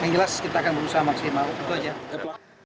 yang jelas kita akan berusaha maksimal itu aja